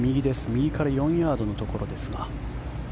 右から４ヤードのところですが。